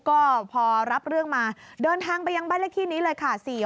ก็พอรับเรื่องมาเดินทางไปยังบ้านเลขที่นี้เลยค่ะ